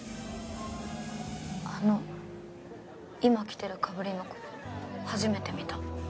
あの今来てる被りの子初めて見た。